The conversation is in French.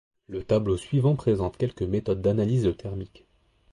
Le tableau suivant présente quelques méthodes d'analyse thermique.